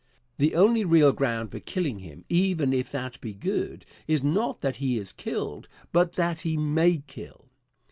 The only real ground for killing him, even if that be good, is not that he has killed, but that he may kill.